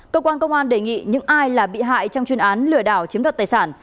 cơ quan công an đề nghị những ai là bị hại trong chuyên án lừa đảo chiếm đoạt tài sản